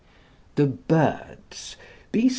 'The Birds,' B.